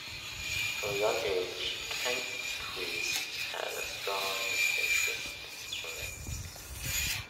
From a young age, Kenkhuis had a strong interest in swimming.